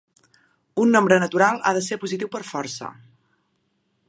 Un nombre natural ha de ser positiu per força.